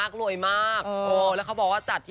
ก็เมื่อก่อนอาจจะ